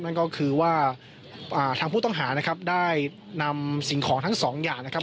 นั่นก็คือว่าทางผู้ต้องหานะครับได้นำสิ่งของทั้งสองอย่างนะครับ